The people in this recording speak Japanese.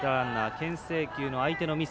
けん制球の相手のミス。